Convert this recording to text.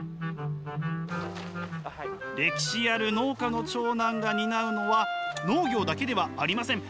歴史ある農家の長男が担うのは農業だけではありません。